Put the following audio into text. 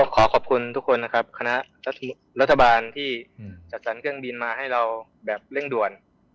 ขอขอบคุณทุกคนนะครับคณะรัฐบาลที่จัดสรรเครื่องบินมาให้เราแบบเร่งด่วน